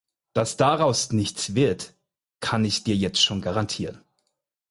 Dass daraus nichts wird, kann ich dir jetzt schon garantieren.